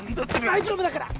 大丈夫だから！